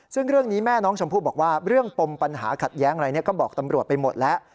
ซึ่งเรื่องนี้แม่น้องชมพู่บอกว่าเรื่องปมปัญหาขัดแย้งอะไรก็บอกตำรวจไปหมดแล้ว